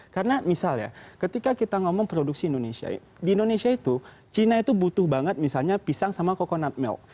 karena misalnya ketika kita ngomong produksi indonesia di indonesia itu cina itu butuh banget misalnya pisang sama coconut milk